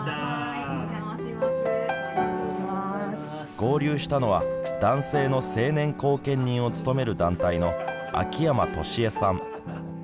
合流したのは男性の成年後見人を務める団体の秋山敏惠さん。